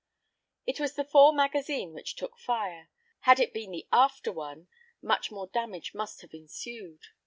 It was the fore magazine which took fire; had it been the after one, much more damage must have ensued.